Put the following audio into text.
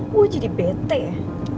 gue jadi bete ya